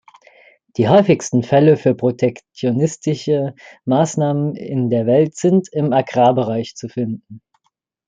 Die häufigsten Fälle für protektionistische Maßnahmen in der Welt sind im Agrarbereich zu finden.